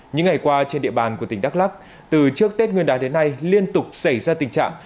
những ngày qua trên địa bàn của tỉnh đắk lắc từ trước tết nguyên đán đến nay liên tục xảy ra tình trạng